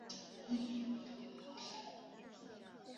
霍奇对偶在此情形显然对应于三维中的叉积。